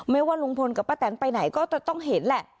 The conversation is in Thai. ว่าลุงพลกับป้าแตนไปไหนก็จะต้องเห็นแหละ